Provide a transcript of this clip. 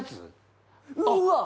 うわっ！